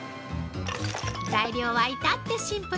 材料は至ってシンプル。